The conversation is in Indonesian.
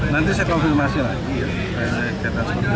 nanti saya konfirmasi lagi